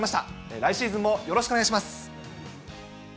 来シーズンもよろしくお願いします。